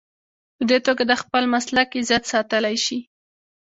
په دې توګه د خپل مسلک عزت ساتلی شي.